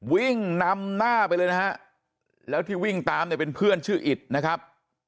วิ่งนำหน้าไปเลยนะฮะแล้วที่วิ่งตามเนี่ยเป็นเพื่อนชื่ออิดนะครับ